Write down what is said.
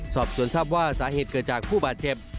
สอบสวนทราบว่าสาเหตุเกิดจากผู้บาดเจ็บ